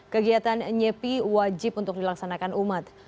kegiatan nyepi wajib untuk dilaksanakan umat